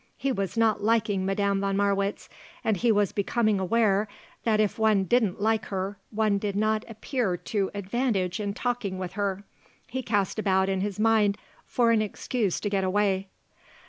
He was not liking Madame von Marwitz, and he was becoming aware that if one didn't like her one did not appear to advantage in talking with her. He cast about in his mind for an excuse to get away.